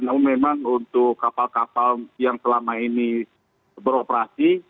namun memang untuk kapal kapal yang selama ini beroperasi